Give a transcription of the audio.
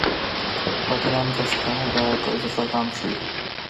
بدرنګه ښکاره د زړه غم ښيي